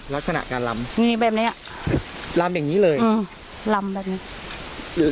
ลักษณะการลำมีแบบเนี้ยลำอย่างงี้เลยอืมลำแบบนี้หรือ